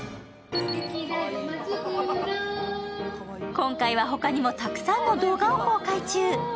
今回は他にもたくさんの動画を公開中。